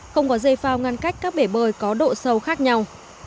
không có dây phao ngăn cách các bể bơi có độ sâu khác nhau